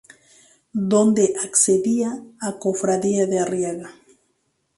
Dónde accedía a Cofradía de Arriaga.